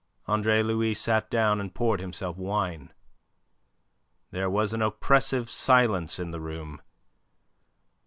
Andre Louis sat down, and poured himself wine. There was an oppressive silence in the room.